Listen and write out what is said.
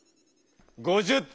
５０点。